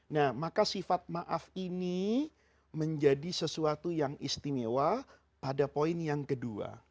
nah maka sifat maaf ini menjadi sesuatu yang istimewa pada poin yang kedua